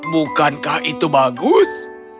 bukankah itu bagus